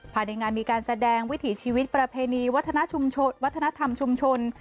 ภายในงานมีการแสดงวิถีชีวิตประเพณีวัฒนธรรมชุมชน